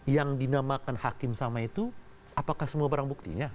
yang dinamakan hakim sama itu apakah semua barang buktinya